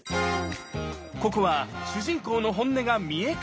ここは主人公の本音が見え隠れ。